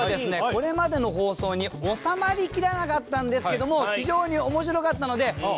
これまでの放送に収まりきらなかったんですけども非常に面白かったのでどうしても流したい！